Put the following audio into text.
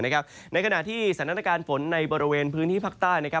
ในขณะที่สถานการณ์ฝนในบริเวณพื้นที่ภาคใต้